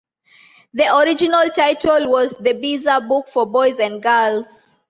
The original title was 'The Beezer Book for Boys and Girls'.